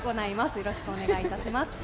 よろしくお願いします。